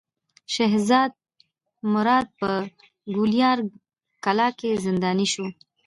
شهزاده مراد په ګوالیار کلا کې زنداني شو.